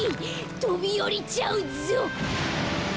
とびおりちゃうぞ。